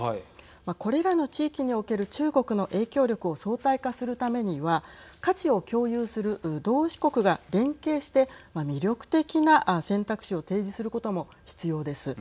これらの地域における中国の影響力を相対化するためには価値を共有する同志国が連携して魅力的な選択肢を提示することも必要です。